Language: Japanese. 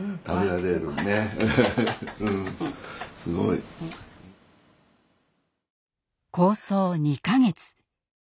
すごい。構想２か月。